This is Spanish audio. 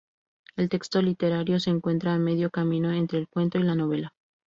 El texto literario se encuentra a medio camino entre el cuento y la novela.